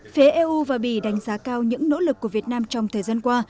phía eu và bỉ đánh giá cao những nỗ lực của việt nam trong thời gian qua